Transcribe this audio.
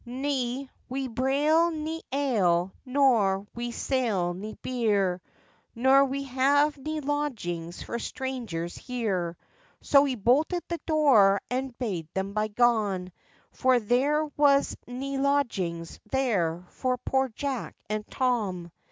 'Ne, we brew ne ale, nor we sell ne beer, Nor we have ne lodgings for strangers here.' So he bolted the door, and bade them begone, For there was ne lodgings there for poor Jack and Tom.